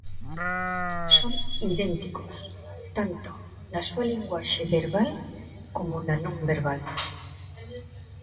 Son idénticos tanto na súa linguaxe verbal como na non verbal.